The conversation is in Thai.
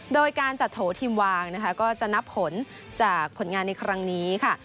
โดยการจัดโถทีมวางนะคะก็จะนับผลจากผลงานในครั้งนี้ค่ะ